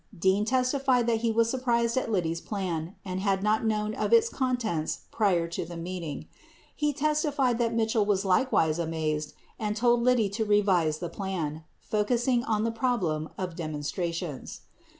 Dean testified that he was surprised at Liddy's plan and bad not known of its contents prior to the meeting. 61 He testified that Mitchell was likewise amazed and told Liddy to revise the plan, focusing on the problem of demon strations.